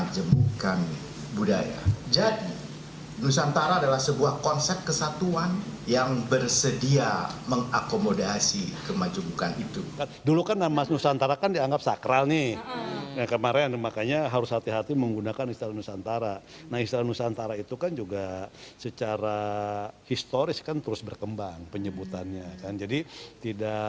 jadi nusantara adalah sebuah konsep kesatuan yang bersedia mengakomodasi kemajemukan itu